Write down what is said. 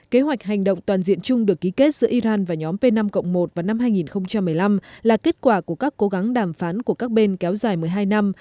kế hoạch hành động toàn diện chung được ký kết giữa iran và nhóm p năm một vào năm hai nghìn một mươi năm là kết quả của các cố gắng đàm phán của các bên kéo dài một mươi hai năm